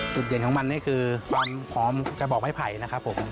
จุดเด่นของมันนี่คือความหอมกระบอกไม้ไผ่นะครับผม